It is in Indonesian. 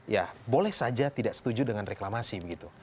ya boleh saja tidak setuju dengan reklamasi begitu